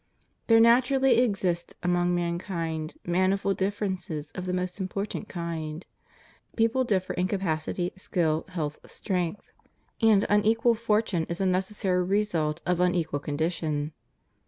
There naturally exist among mankind manifold difTerences of the most important kind; people differ in capacity, skill, health, strength; and unequal fortune is a necessary result of unequal con dition.